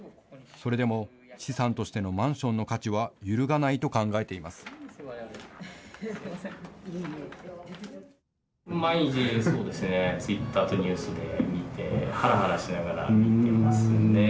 それでも資産としてのマンションの価値は揺るがないと考えています。